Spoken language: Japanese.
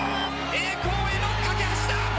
栄光への架け橋だ！